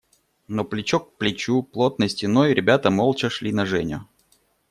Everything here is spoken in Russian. Но плечо к плечу, плотной стеной ребята молча шли на Женю.